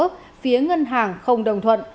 phía ngân hàng không đồng thuận